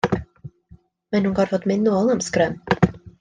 Mae nhw'n gorfod mynd nôl am sgrym.